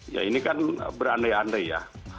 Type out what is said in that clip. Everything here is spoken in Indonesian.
ya ini kan berandai andai ya